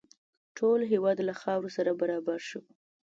ټول هېواد له خاورو سره برابر شو.